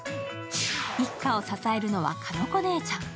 一家を支えるのはかの子姉ちゃん。